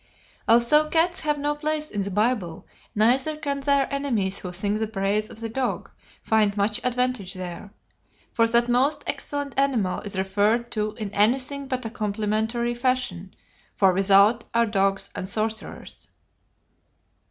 Although cats have no place in the Bible, neither can their enemies who sing the praise of the dog, find much advantage there: for that most excellent animal is referred to in anything but a complimentary fashion "For without are dogs and sorcerers."